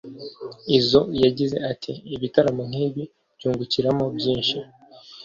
Izzo yagize ati” Ibitaramo nkibi byungukiramo byinshi